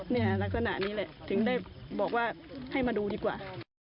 ลักษณะนี้แหละถึงได้บอกว่าให้มาดูดีกว่า